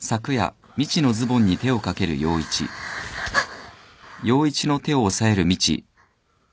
あっ！